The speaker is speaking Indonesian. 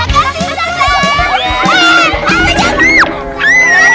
terima kasih ustazah